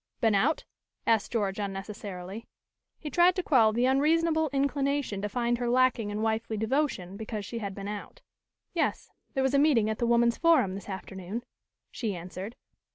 "Been out?" asked George unnecessarily. He tried to quell the unreasonable inclination to find her lacking in wifely devotion because she had been out. "Yes. There was a meeting at the Woman's Forum this afternoon," she answered.